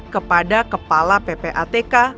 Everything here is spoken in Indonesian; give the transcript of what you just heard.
kepada kepala ppatk